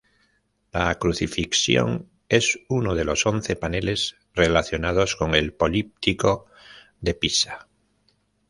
La "Crucifixión" es uno de los once paneles relacionados con el Políptico de Pisa.